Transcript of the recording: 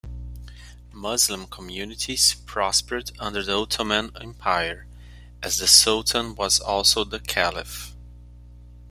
Muslim communities prospered under the Ottoman Empire, as the Sultan was also the Caliph.